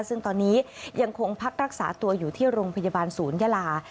ซึ่งตอนนี้ยังคงพักรักษาตัวอยู่ที่โรงพยาบาลศูนยาลา